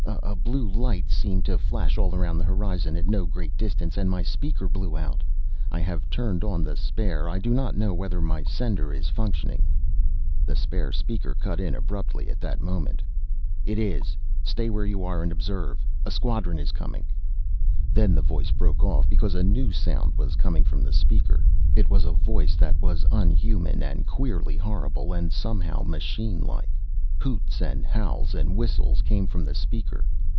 A blue light seemed to flash all around the horizon at no great distance and my speaker blew out. I have turned on the spare. I do not know whether my sender is functioning " The spare speaker cut in abruptly at that moment: "It is. Stay where you are and observe. A squadron is coming." Then the voice broke off, because a new sound was coming from the speaker. It was a voice that was unhuman and queerly horrible and somehow machine like. Hoots and howls and whistles came from the speaker.